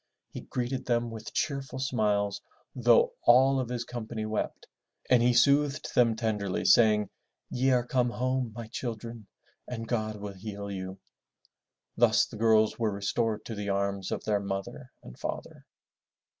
He greeted them with cheerful smiles though all of ^Legialaiive assembly FROM THE TOWER WINDOW his company wept, and he soothed them tenderly saying, "Ye are come home, my children, and God will heal you/' Thus the girls were restored to the arms of their mother and father.